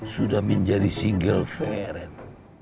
sudah menjadi si girl fairen